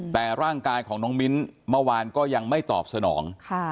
แต่ร่างกายของน้องมิ้นเมื่อวานก็ยังไม่ตอบสนอง